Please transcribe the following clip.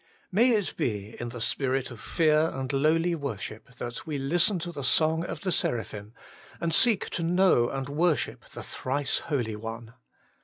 May it be in the spirit of fear and lowly worship that we listen to the song of the seraphim, and seek to know and worship the Thrice Holy One.